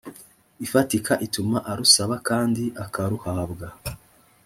ifatika ituma arusaba kandi akaruhabwa